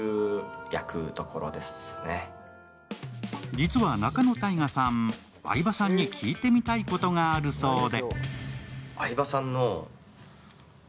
実は仲野太賀さん、相葉さんに聞いてみたいことがあるそうで。